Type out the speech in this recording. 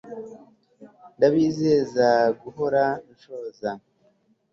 Nabizeza guhora nshoza